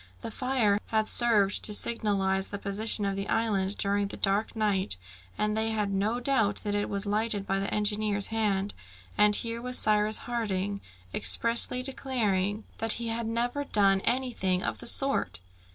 The fire had served to signalise the position of the island during that dark night, and they had not doubted that it was lighted by the engineer's hand; and here was Cyrus Harding expressly declaring that he had never done anything of the sort!